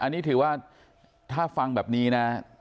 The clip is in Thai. อันนี้ถือว่าถ้าฟังแบบนี้นะ